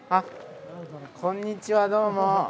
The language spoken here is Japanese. こんにちはどうも。